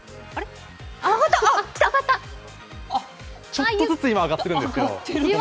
ちょっとずつ今、上がっているんですよ。